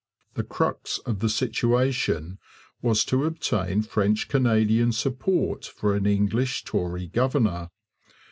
The crux of the situation was to obtain French Canadian support for an English Tory governor.